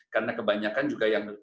karena kebanyakan juga yang